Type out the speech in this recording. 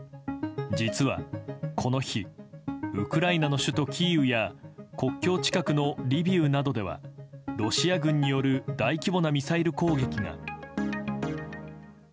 実は、この日ウクライナの首都キーウや国境近くのリビウなどではロシア軍による大規模なミサイル攻撃が。